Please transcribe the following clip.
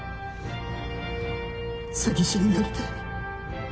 詐欺師になりたい